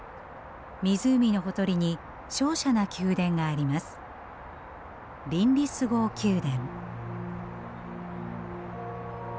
湖のほとりにしょうしゃな宮殿があります。